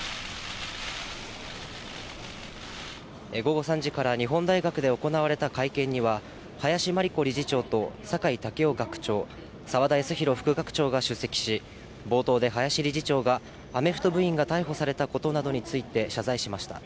午後３時から日本大学で行われた会見には、林真理子理事長と酒井健夫学長、澤田康広副学長が出席し、冒頭で林理事長が、アメフト部員が逮捕されたことなどについて謝罪しました。